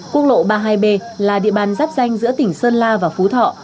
quốc lộ ba mươi hai b là địa bàn giáp danh giữa tỉnh sơn la và phú thọ